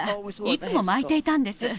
いつも巻いていたんです。